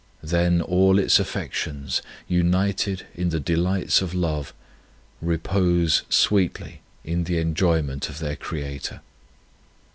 Then all its affections, united in the delights of love, repose sweetly in the enjoyment of their Creator.